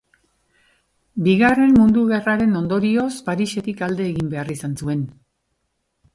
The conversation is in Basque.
Bigarren Mundu Gerraren ondorioz, Parisetik alde egin behar izan zuen.